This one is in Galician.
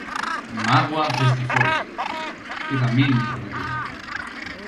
Mágoa a festa folk, que tamén prometía.